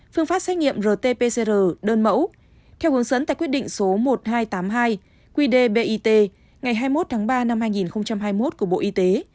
phương pháp xét nghiệm rt pcr đơn mẫu theo hướng dẫn tại quyết định số một nghìn hai trăm tám mươi hai qd bit ngày hai mươi một tháng ba năm hai nghìn hai mươi một của bộ y tế